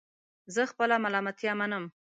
زه خپل ملامتیا منم